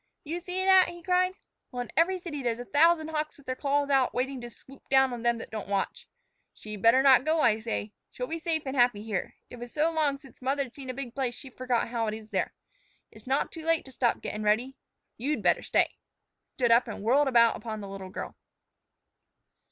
"You see that?" he cried. "Well, in every city there's a thousand hawks with their claws out waiting to swoop down on them that don't watch. She'd better not go, I say. She'll be safe and happy here. It was so long since mother'd seen a big place she forgot how it is there. It's not too late to stop gettin' ready. You'd better stay." He stood up and whirled about upon the little girl.